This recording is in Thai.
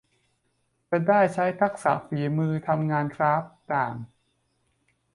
จะได้ใช้ทักษะฝีมือทำงานคราฟต์ต่าง